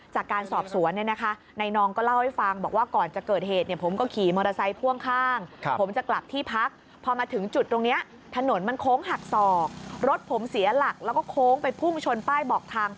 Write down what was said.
จากการสอบสวนนะคะนายนองก็เล่าให้ฟัง